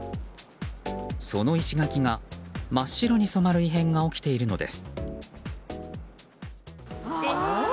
その石垣が真っ白に染まる異変が起きているのです。